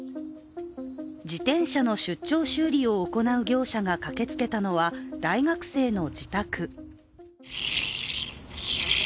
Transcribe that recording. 自転車の出張修理を行う業者が駆けつけたのは大学生の自宅。